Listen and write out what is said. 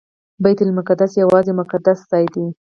بیت المقدس یوازې یو مقدس ځای نه.